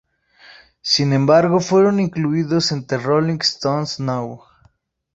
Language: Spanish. Sin embargo, fueron incluidos en "The Rolling Stones, Now!